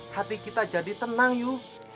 hati kita jadi tenang yuk